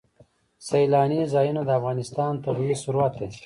سیلانی ځایونه د افغانستان طبعي ثروت دی.